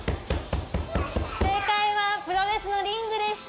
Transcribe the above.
正解は「プロレスのリング」でした！